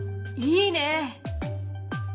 いいね！